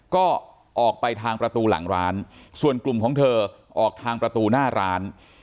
ก็ออกไปทางประตูหลังร้านส่วนกลุ่มของเธอออกทางประตูหน้าร้าน